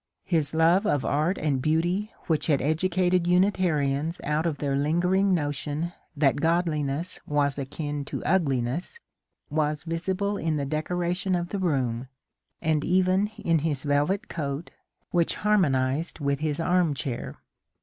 His love of art and beauty which had educated Unitarians out of their lingering notion that godli ness was akin to ugliness was visible in the decoration of the room, and even in his velvet coat, which harmonized with his armchair.